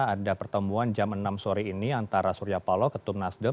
ada pertemuan jam enam sore ini antara surya paloh ketum nasdem